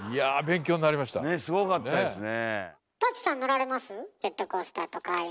ねえすごかったですね。